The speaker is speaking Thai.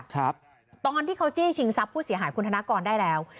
ตอนที่เขาจี้ชิงทรัพย์ผู้เสียหายคุณธนกรได้แล้ว